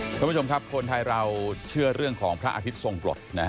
ทุกวันผู้ชมครับคนไทยเราเชื่อเรื่องของพระอธิตย์ทรงกฎ